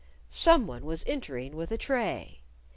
Someone was entering with a tray.